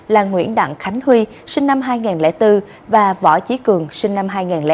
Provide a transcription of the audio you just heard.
là nguyễn đặng khánh huy sinh năm hai nghìn bốn và võ chí cường sinh năm hai nghìn bốn